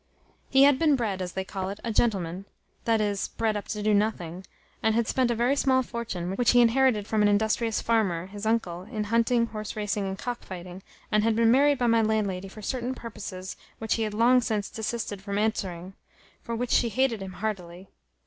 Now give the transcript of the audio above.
He had been bred, as they call it, a gentleman; that is, bred up to do nothing; and had spent a very small fortune, which he inherited from an industrious farmer his uncle, in hunting, horse racing, and cock fighting, and had been married by my landlady for certain purposes, which he had long since desisted from answering; for which she hated him heartily.